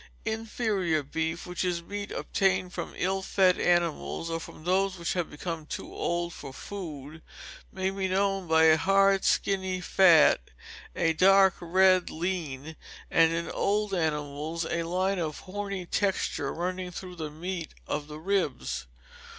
Inferior beef, which is meat obtained from ill fed animals, or from those which had become too old for food, may be known by a hard, skinny fat, a dark red lean, and, in old animals, a line of horny texture running through the meat of the ribs.